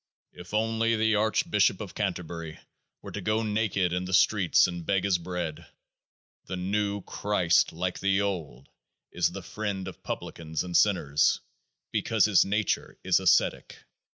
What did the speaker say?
76 If only the Archbishop of Canterbury were to go naked in the streets and beg his bread ! The new Christ, like the old, is the friend of publicans and sinners ; because his nature is ascetic.